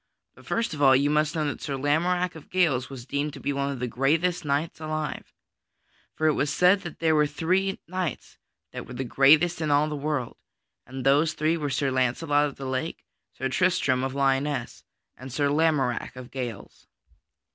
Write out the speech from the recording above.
But first of all you must know that Sir Lamorack of Gales was deemed to be one of the greatest knights alive. For it was said that there were three knights that were the greatest in all of the world, and those three were Sir Launcelot of the Lake, Sir Tristram of Lyonesse, and Sir Lamorack of Gales.